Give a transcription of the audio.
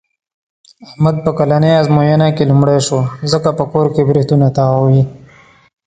احمد په کلنۍ ازموینه کې لومړی شو. ځکه په کور کې برېتونه تاووي.